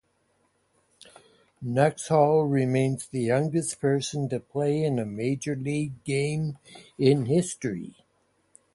Nuxhall remains the youngest person to play in a major league game in history.